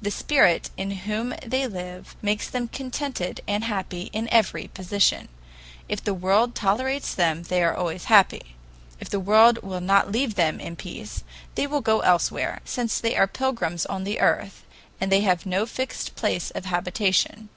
The Spirit in whom they live makes them contented and happy in every position. If the world tolerates them, they are always happy. If the world will not leave them in peace, they will go elsewhere, since they are pilgrims on the earth and they have no fixed place of habitation.